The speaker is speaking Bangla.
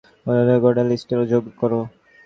ঐটাকে কন্টাক্ট লিস্টে যোগ কর।